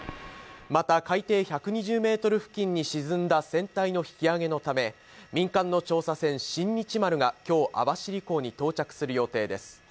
また海底１２０メートル付近に沈んだ船体の引き揚げのため、民間の調査船「新日丸」が今日、網走港に到着する予定です。